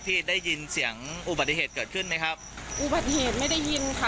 ได้ยินเสียงอุบัติเหตุเกิดขึ้นไหมครับอุบัติเหตุไม่ได้ยินค่ะ